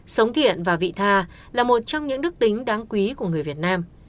sống thiện và vị tha là một trong những đức tính đáng quý của người việt nam